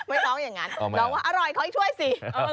ไม่ร้องอย่างนั้นร้องว่าอร่อยขอให้ช่วยสิ